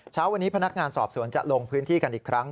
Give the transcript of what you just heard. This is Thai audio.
เช้าวันนี้พนักงานสอบสวนจะลงพื้นที่กันอีกครั้ง